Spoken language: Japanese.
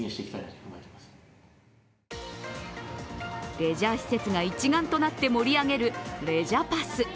レジャー施設が一丸となって盛り上げるレジャパス！